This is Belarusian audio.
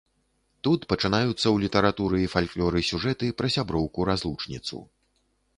Тут пачынаюцца ў літаратуры і фальклоры сюжэты пра сяброўку-разлучніцу.